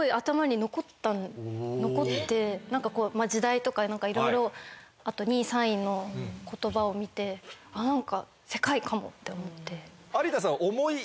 何かこう時代とかいろいろあと２位３位の言葉を見てあっ何か「世界」かもって思って。